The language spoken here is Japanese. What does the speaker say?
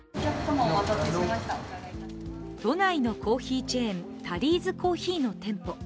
都内のコーヒーチェーン、タリーズコーヒーの店舗。